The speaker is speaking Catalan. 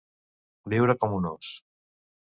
Viure com un ós.